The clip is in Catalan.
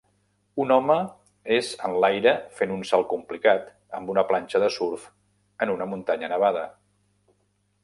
Un home és enlaira fent un salt complicat amb una planxa de surf en una muntanya nevada.